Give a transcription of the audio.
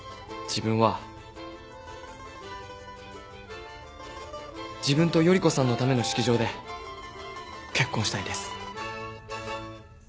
自分と依子さんのための式場で結婚したいです。